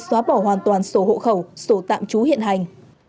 xóa bỏ hoàn toàn sổ hộ khẩu sổ tạm trú hiện hành